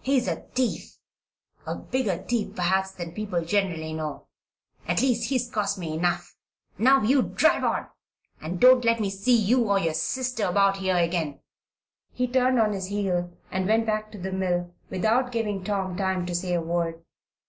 He's a thief a bigger thief, perhaps, than people generally know. At least, he's cost me enough. Now, you drive on and don't let me see you or your sister about here again." He turned on his heel and went back to the mill without giving Tom time to say a word.